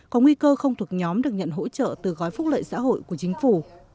có nguy cơ không thuộc nhóm được nhận hỗ trợ từ gói phúc lợi xã hội của chính phủ